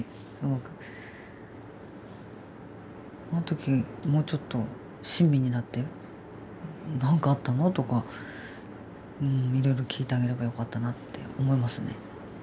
あの時もうちょっと親身になって「何かあったの？」とかいろいろ聞いてあげればよかったなって思いますね。